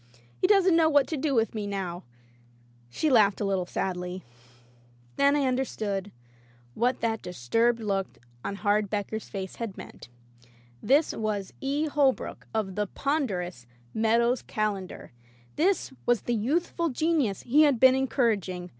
He doesn't know what to do with me now —" She laughed a little sadly. Then I understood what that disturbed [ 239 ] Digitized by LjOOQ IC Interventions look on Hardbecker's face had meant. This was "E. Holbrook*' of the ponderous "Mea dow's Calendar"! This was the youthful genius he had been encouraging!